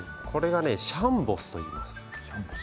シャンボスといいます。